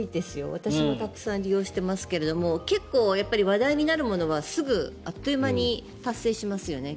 私もたくさん利用してますが結構、話題になるものはすぐあっという間に達成しますよね。